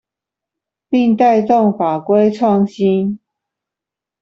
並帶動法規創新